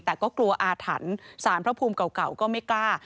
แต่ก็กลัวอาถรรพ์สารพระภูมิเก่าก็ไม่กล้า